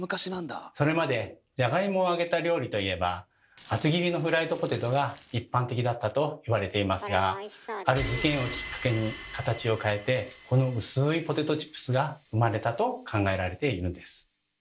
それまでじゃがいもを揚げた料理といえば厚切りのフライドポテトが一般的だったと言われていますがある事件をきっかけに形を変えてこの薄いポテトチップスが生まれたと考えられているんです。